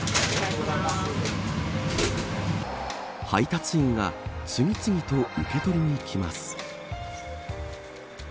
配達員が次々と受け取りにきます。